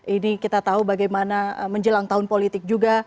ini kita tahu bagaimana menjelang tahun politik juga